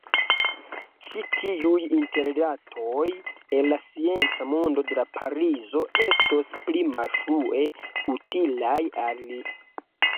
Ĉi-tiuj interrilatoj el la scienca mondo de Parizo estos pli malfrue utilaj al li.